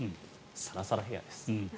サラサラヘアです。